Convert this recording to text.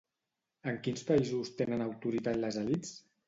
En quins països tenen autoritat les elits?